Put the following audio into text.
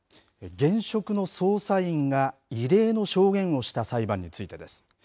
現職の捜査員が異例の証言をした裁判についてです。